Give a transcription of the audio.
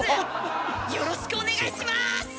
よろしくお願いします！